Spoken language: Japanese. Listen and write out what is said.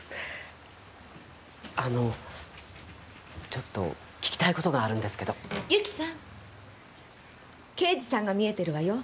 あのちょっと聞きたいことがあるんですけど友紀さん刑事さんが見えてるわよ